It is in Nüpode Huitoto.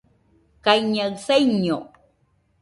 kaiñaɨ saiño